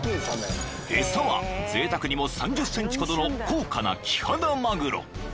［餌はぜいたくにも３０ｃｍほどの高価なキハダマグロ］